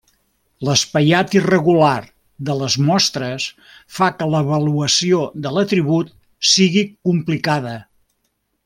L'espaiat irregular de les mostres fa que l'avaluació de l'atribut sigui complicada.